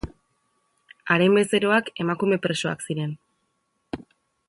Haren bezeroak emakume presoak ziren.